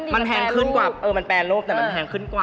มันต้องแพงขึ้นดีกว่าแพงรูป